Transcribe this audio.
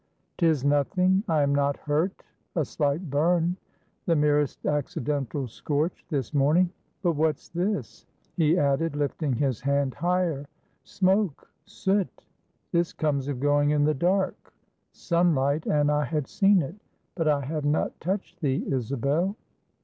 "'Tis nothing. I am not hurt; a slight burn the merest accidental scorch this morning. But what's this?" he added, lifting his hand higher; "smoke! soot! this comes of going in the dark; sunlight, and I had seen it. But I have not touched thee, Isabel?"